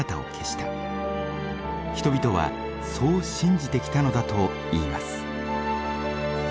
人々はそう信じてきたのだといいます。